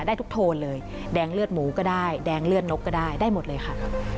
ได้ทุกโทนเลยแดงเลือดหมูก็ได้แดงเลือดนกก็ได้ได้หมดเลยค่ะ